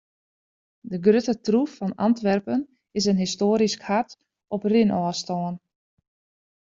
De grutte troef fan Antwerpen is in histoarysk hart op rinôfstân.